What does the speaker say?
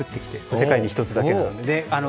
世界に１つだけなので。